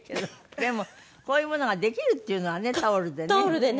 でもこういうものができるっていうのはねタオルでね。